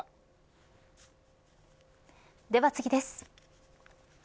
では次です。